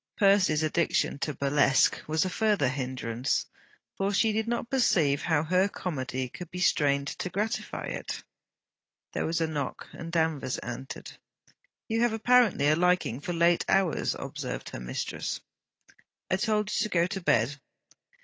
Percy's addiction to burlesque was a further hindrance, for she did not perceive how her comedy could be strained to gratify it. There was a knock, and Danvers entered. 'You have apparently a liking for late hours,' observed her mistress. 'I told you to go to bed.'